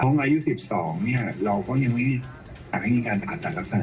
ตรงอายุ๑๒เราก็ยังไม่อาจให้มีการอัดตัดรักษา